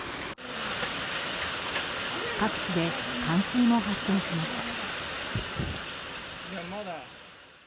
各地で冠水も発生しました。